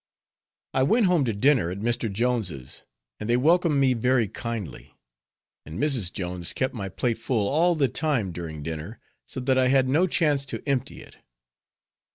I went home to dinner at Mr. Jones', and they welcomed me very kindly, and Mrs. Jones kept my plate full all the time during dinner, so that I had no chance to empty it.